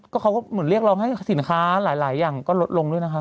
เขาก็เหมือนเรียกร้องให้สินค้าหลายอย่างก็ลดลงด้วยนะคะ